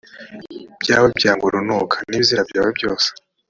byawe byangwa urunuka n ibizira byawe byose ni